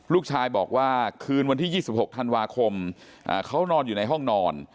ลูกชายบอกว่าคืนวันที่๒๖ธันวาคมเขานอนอยู่ในห้องนอน